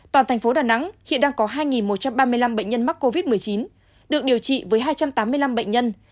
toàn thành phố đà nẵng hiện đang có hai một trăm ba mươi năm bệnh nhân mắc covid một mươi chín được điều trị với hai trăm tám mươi năm bệnh nhân